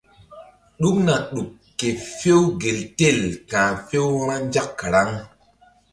Ɗukna ɗuk ke few gel tel ka̧h few-vba nzak karaŋ.